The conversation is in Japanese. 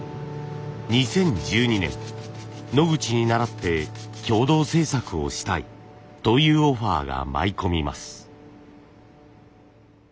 ２０１２年ノグチにならって共同制作をしたいというオファーが舞い込みます。